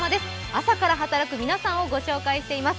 朝から働く皆さん」をご紹介しています。